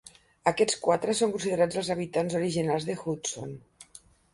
Aquests quatre són considerats els habitants originals de Hudson.